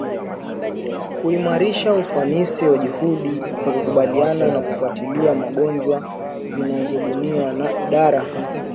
kuimarisha ufanisi wa juhudi za kukabiliana na kufuatilia magonjwa zinazobuniwa na Idara